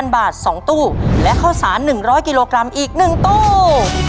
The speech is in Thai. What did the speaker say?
๐บาท๒ตู้และข้าวสาร๑๐๐กิโลกรัมอีก๑ตู้